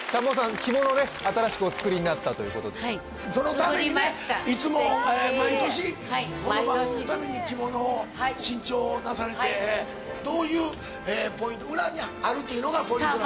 着物ね新しくお作りになったということではい作りましたそのたんびにねいつも毎年この番組のために着物を新調なされてええ裏にあるっていうのがポイント？